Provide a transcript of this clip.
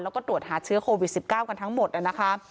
แล้วก็ตรวจหาเชื้อโควิด๑๙กันทั้งหมดนะคะ